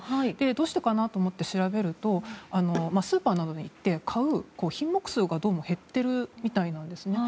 どうしてかなと思って調べるとスーパーなどで買う品目数がどうも減っているみたいなんですね。